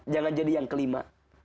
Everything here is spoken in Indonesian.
jangan jadi yang kelima